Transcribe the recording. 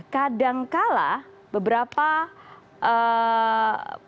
kadangkala beberapa pemerintah